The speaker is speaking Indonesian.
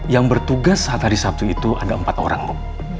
yang bertugas saat hari sabtu itu ada empat orang bu